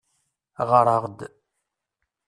Ɣeṛ-aɣ-d.